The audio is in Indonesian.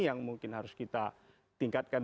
yang mungkin harus kita tingkatkan